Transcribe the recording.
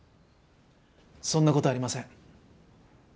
そんな事ありません。